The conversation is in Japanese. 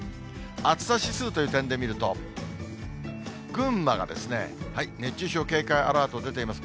暑さ指数という点で見ると、群馬が熱中症警戒アラート、出ています。